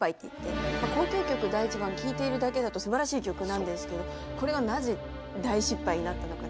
聴いているだけだとすばらしい曲なんですけどこれがなぜ大失敗になったのか。